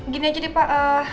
gini aja deh pak